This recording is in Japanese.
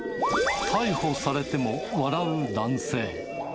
逮捕されても笑う男性。